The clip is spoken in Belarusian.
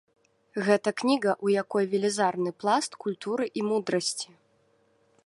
Гэта кніга, у якой велізарны пласт культуры і мудрасці.